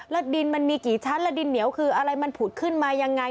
แล้วดินมันมีกี่ชั้นแล้วดินเหนียวคืออะไรมันผุดขึ้นมายังไง